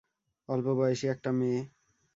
অল্পবয়েসী একটা মেয়ে।